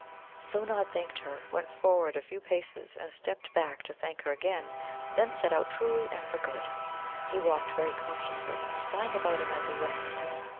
So Nod thanked her, went forward a few paces, and stepped back to thank her again; then set out truly and for good. He walked very cautiously, spying about him as he went.